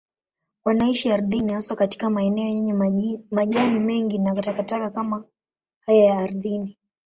Wanaishi ardhini, haswa katika maeneo yenye majani mengi na takataka kama haya ardhini.